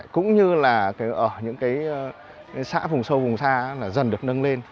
cũng như ở những xã vùng sâu vùng xa dần được nâng lên